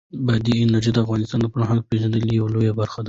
بادي انرژي د افغانانو د فرهنګي پیژندنې یوه لویه برخه ده.